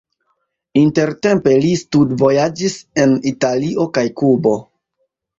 Intertempe li studvojaĝis en Italio kaj Kubo.